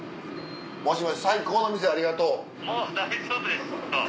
もしもし最高の店ありがとう。